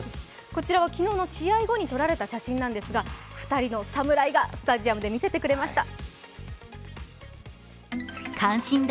こちらは昨日の試合後に撮られた写真なんですが、２人のサムライがスタジアムで見せてくれました。